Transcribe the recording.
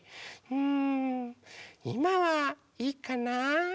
うんいまはいいかな。